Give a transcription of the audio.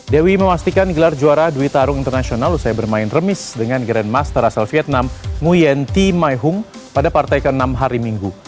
dewi memastikan gelar juara dwi tarung internasional usai bermain remis dengan grandmaster asal vietnam nguyen t mai hung pada partai ke enam hari minggu